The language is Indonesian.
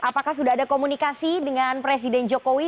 apakah sudah ada komunikasi dengan presiden jokowi